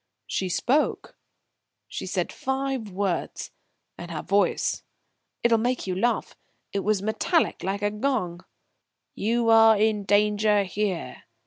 "She spoke?" "She said five words and her voice it'll make you laugh it was metallic like a gong: 'You are in danger here.'